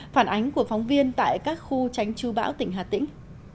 phản ánh của phóng viên tại các khu tránh chú bão tỉnh hà tĩnh